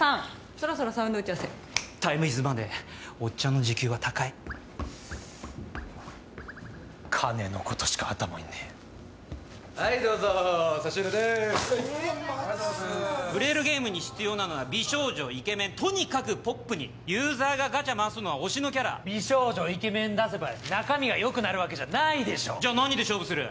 そろそろサウンド打ち合わせタイムイズマネーおっちゃんの時給は高い金のことしか頭にねえはいどうぞ差し入れですありがとうございます売れるゲームに必要なのは美少女イケメンとにかくポップにユーザーがガチャ回すのは推しのキャラ美少女イケメン出せば中身がよくなるわけじゃないでしょじゃ何で勝負する？